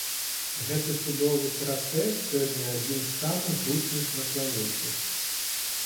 Гэты судовы працэс сёння адзін з самых гучных на планеце.